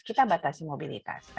kita batasi mobilitasnya